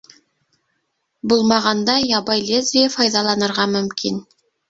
Булмағанда ябай лезвие файҙаланырға мөмкин.